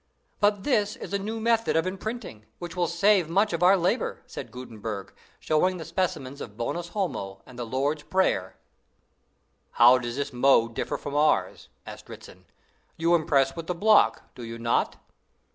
"But this is a new method of imprinting, which will save much of our labor," said Gutenberg, showing the specimens of bonus homo and the "Lord's Prayer." "How does this mode differ from ours?" asked Dritzhn. "You impress with the block, do you not?"